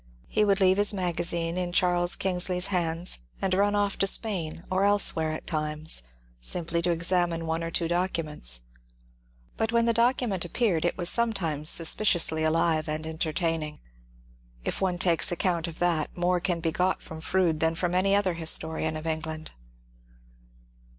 He would leave his magazine in Charles Kiugsley's hands and run off to Spain or elsewhere at times simply to examine one or two documents ; but when the document ap peared, it was sometimes suspiciously alive and entertaining. If one takes account of that, more can be got from Froude than from any other historian of England.